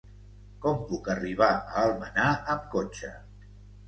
Com puc arribar a Almenar amb cotxe?